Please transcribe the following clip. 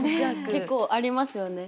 結構ありますよね。